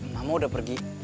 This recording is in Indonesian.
mama udah pergi